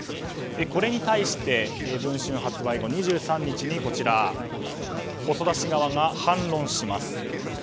これに対して「文春」発売後の２３日に細田氏側が反論します。